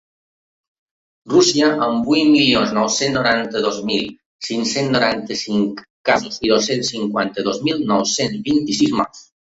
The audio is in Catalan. Rússia, amb vuit milions nou-cents noranta-dos mil cinc-cents noranta-cinc casos i dos-cents cinquanta-dos mil nou-cents vint-i-sis morts.